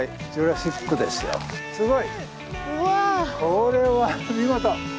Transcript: これは見事！